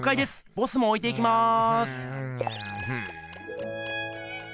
ボスもおいていきます！